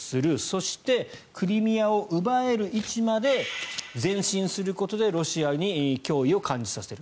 そしてクリミアを奪える位置まで前進することでロシアに脅威を感じさせる。